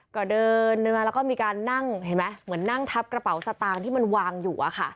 ก็เดินมาแล้วก็มีการนั่งเห็นไหมเหมือนนั่งทับกระเป๋าสตางค์ที่มันวางอยู่อะค่ะ